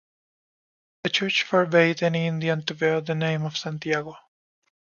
The church forbade any Indian to bear the name of Santiago.